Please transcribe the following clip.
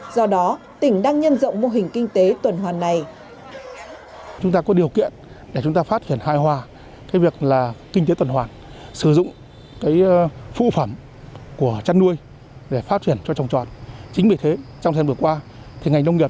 do đó tỉnh đang nhân dân tỉnh đang phân thải tỉnh đang phân thải tỉnh đang phân thải